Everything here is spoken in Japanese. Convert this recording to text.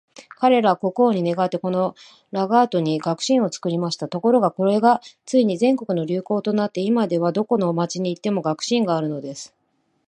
彼等は国王に願って、このラガードに学士院を作りました。ところが、これがついに全国の流行となって、今では、どこの町に行っても学士院があるのです。